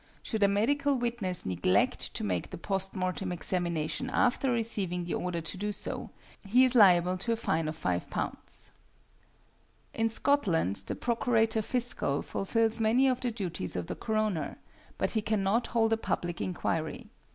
Should a medical witness neglect to make the post mortem examination after receiving the order to do so, he is liable to a fine of £5. In Scotland the Procurator Fiscal fulfils many of the duties of the coroner, but he cannot hold a public inquiry.